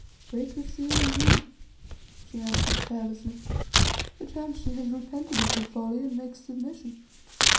"Break the seal and read," she answered carelessly. "Perchance she has repented of her folly and makes submission."